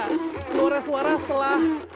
keluarga suara setelah